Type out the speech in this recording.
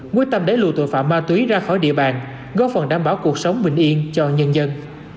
quyết tâm đẩy lùi tội phạm ma túy ra khỏi địa bàn góp phần đảm bảo cuộc sống bình yên cho nhân dân